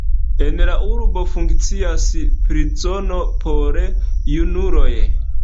En la urbo funkcias prizono por junuloj.